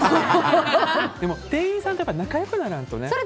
でも、店員さんと仲良くならんとね。